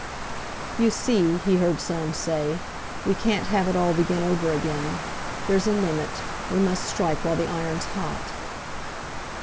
"You see," he heard Soames say, "we can't have it all begin over again. There's a limit; we must strike while the iron's hot."